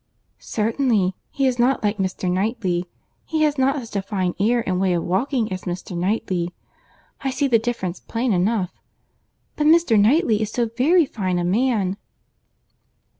"Certainly, he is not like Mr. Knightley. He has not such a fine air and way of walking as Mr. Knightley. I see the difference plain enough. But Mr. Knightley is so very fine a man!"